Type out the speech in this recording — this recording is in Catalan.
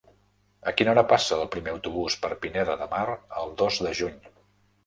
A quina hora passa el primer autobús per Pineda de Mar el dos de juny?